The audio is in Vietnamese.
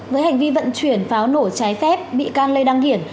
với hành vi vận chuyển pháo nổ trái phép bị can lê đăng hiển